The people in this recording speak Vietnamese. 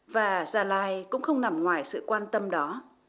và gia lai cũng không nằm ngoài sự quan tâm đó